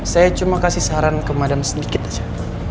saya cuma kasih saran ke madam sedikit saja